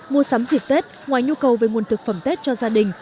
mua sắm dịp tết ngoài nhu cầu về nguồn thực phẩm tết cho gia đình